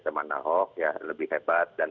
teman hoax lebih hebat dan